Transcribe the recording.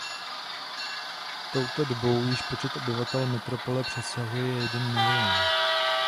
Touto dobou již počet obyvatel metropole přesahuje jeden milion.